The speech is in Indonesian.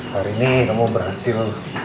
hari ini kamu berhasil